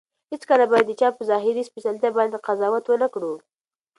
هیڅکله باید د چا په ظاهري سپېڅلتیا باندې قضاوت ونه کړو.